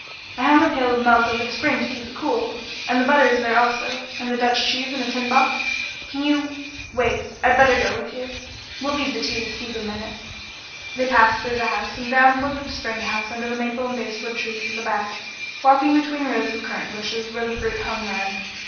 I hung a pail of milk over the spring to keep it cool, and the butter is there also and the Dutch cheese in a tin box. Can you wait, I'd better go with you. We'll leave the tea to steep a minute." They passed through the house and down toward the spring house under the maple and basswood trees at the back, walking between rows of currant bushes where the fruit hung red.